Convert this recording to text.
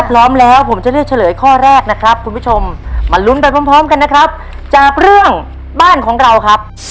พร้อมแล้วผมจะเลือกเฉลยข้อแรกนะครับคุณผู้ชมมาลุ้นไปพร้อมพร้อมกันนะครับจากเรื่องบ้านของเราครับ